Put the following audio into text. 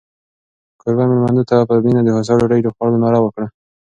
کوربه مېلمنو ته په مینه د هوسا ډوډۍ خوړلو ناره وکړه.